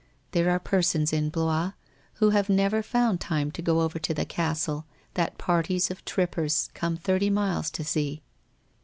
There are persons in Blois who have never found time to go over to the Castle that parties of trippers come thirty miles to see.